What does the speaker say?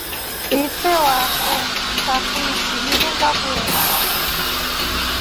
Ifele waku ntakuishhi lunu ngakuloria.